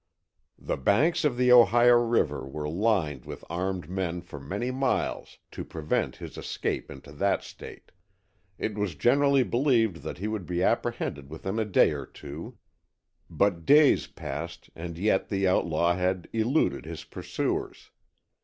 The banks of the Ohio river were lined with armed men for many miles to prevent his escape into that State. It was generally believed that he would be apprehended within a day or two. But days passed and yet the outlaw had eluded his pursuers.